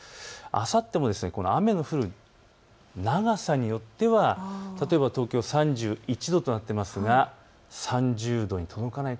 あさっても雨の降る長さによっては例えば東京３１度となっていますが３０度に届かない。